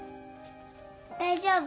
大丈夫。